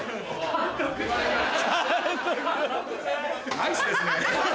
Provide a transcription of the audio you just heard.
ナイスですね。